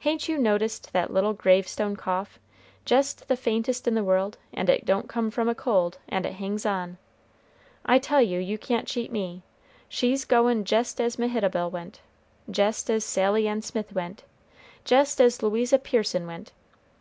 Hain't you noticed that little gravestone cough, jest the faintest in the world, and it don't come from a cold, and it hangs on. I tell you you can't cheat me, she's goin' jest as Mehitabel went, jest as Sally Ann Smith went, jest as Louisa Pearson went.